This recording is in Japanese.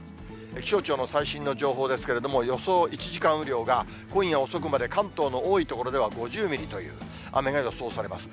気象庁の最新の情報ですけれども、予想１時間雨量が、今夜遅くまで関東の多い所では５０ミリという雨が予想されます。